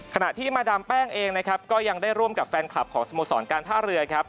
ขณะที่มาดามแป้งเองนะครับก็ยังได้ร่วมกับแฟนคลับของสโมสรการท่าเรือครับ